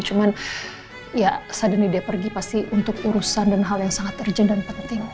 cuman ya saat ini dia pergi pasti untuk urusan dan hal yang sangat urgent dan penting